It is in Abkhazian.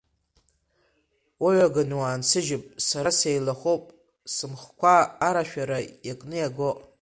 Уҩаганы уаансыжьп, сара сеилахоуп, сымхқәа арашәара иакны иагоит.